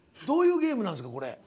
どういうゲームなんですかこれ。